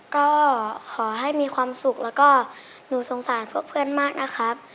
ก็ขอให้มีความสุขแล้วก็หนูสงสารพวกเพื่อนมากนะครับ